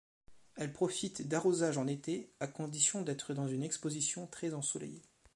Elle profite d'arrosages en été à condition d'être dans une exposition très ensoleillée.